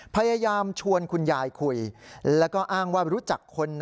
พยายามชวนคุณยายคุยแล้วก็อ้างว่ารู้จักคน